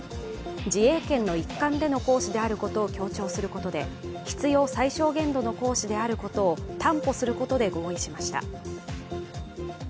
自衛権の一環での行使を強調することで必要最小限度の行使であることを担保することで合意しました。